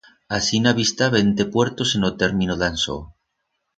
Asina bi'stá vente puertos en o término d'Ansó.